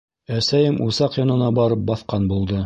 Әсәйем усаҡ янына барып баҫҡан булды.